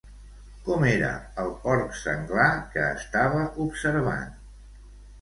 Com era el porc senglar que estava observant?